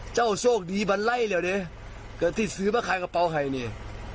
เจ้าโชคดีบันไหล่เหลียวดิดีกว่าสื้อมาขายกระเป๋าให้เนี่ย